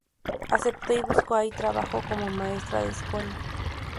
Aceptó y buscó allí trabajo como maestra de escuela.